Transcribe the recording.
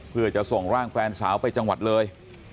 เพื่อจะส่งร่างแฟนสาวไปจังหวัดเลย